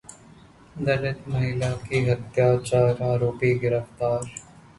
दलित महिला की हत्या, चार आरोपी गिरफ्तार